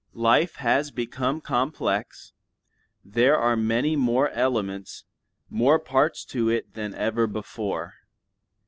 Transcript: Life has become complex; there are many more elements, more parts, to it than ever before.